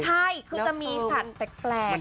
ใช่คือจะมีสัตว์แปลก